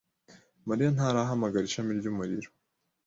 Mariya ntarahamagara ishami ry’umuriro.